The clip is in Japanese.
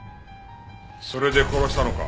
それで殺したのか？